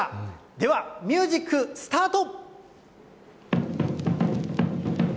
では、ミュージック、スタート。